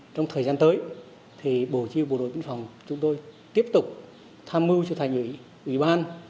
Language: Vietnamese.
trong thời gian tới thì bộ chi bộ đội biên phòng chúng tôi tiếp tục tham mưu cho thành ủy ủy ban